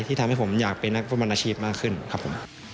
ทำให้ผมอยากเป็นนักฟุตบอลอาชีพมากขึ้นครับผม